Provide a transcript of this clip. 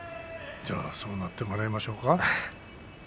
じゃあ、そうなってもらいましょうか。